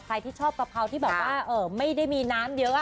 ใครที่ชอบกะเพราที่แบบว่าไม่ได้มีน้ำเยอะ